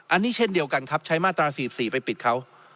อันนี้เช่นเดียวกันครับใช้มาตรา๔๔ไปปิดเขา